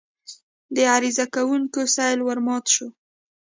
د عریضه کوونکو سېل ورمات شو.